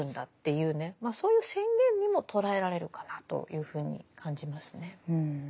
そういう宣言にも捉えられるかなというふうに感じますね。